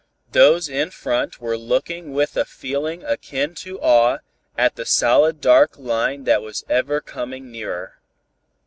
Those in front were looking with a feeling akin to awe at that solid dark line that was ever coming nearer.